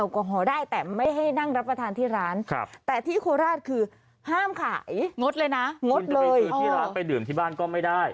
คุณจะไปซื้อที่ร้านไปดื่มที่บ้านก็ไม่ได้